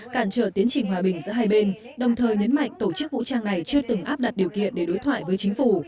cản trở tiến trình hòa bình giữa hai bên đồng thời nhấn mạnh tổ chức vũ trang này chưa từng áp đặt điều kiện để đối thoại với chính phủ